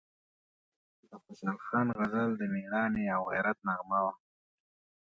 د خوشحال خان غزل د میړانې او غیرت نغمه وه،